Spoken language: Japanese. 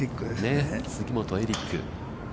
杉本エリック。